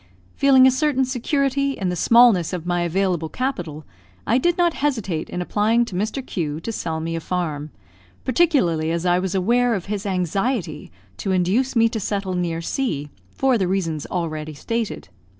Feeling a certain security in the smallness of my available capital, I did not hesitate in applying to Mr. Q to sell me a farm, particularly as I was aware of his anxiety to induce me to settle near C , for the reasons already stated.